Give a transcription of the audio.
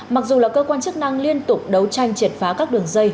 mặc dù là cơ quan chức năng liên tục đấu tranh triệt phá các đường dây